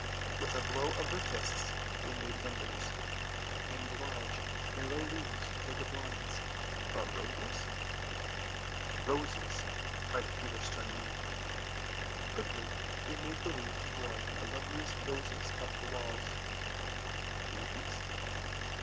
With a blow of their fists they made windows, and large yellow leaves were the blinds. But roses—? "Roses," cried Peter sternly. Quickly they made believe to grow the loveliest roses up the walls. Babies?